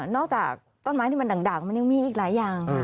จากต้นไม้ที่มันด่างมันยังมีอีกหลายอย่าง